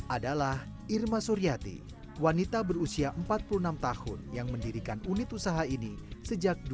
adalah irma suryati wanita berusia empat puluh enam tahun yang mendirikan unit usaha ini sejak dua ribu dua